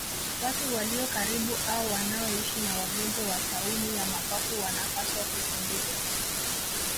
Watu walio karibu au wanaoishi na wagonjwa wa tauni ya mapafu wanapaswa kuchunguzwa